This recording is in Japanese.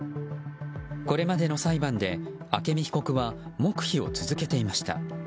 これまでの裁判で朱美被告は黙秘を続けていました。